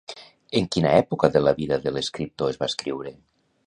En quina època de la vida de l'escriptor es va escriure?